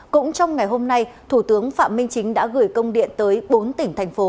cũng trong ngày hôm nay thủ tướng phạm minh chính đã gửi công điện tới bốn tỉnh thành phố